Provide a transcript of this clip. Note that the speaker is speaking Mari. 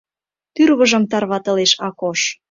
— тӱрвыжым тарватылеш Акош.